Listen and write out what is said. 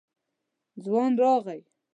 ځوان راغی.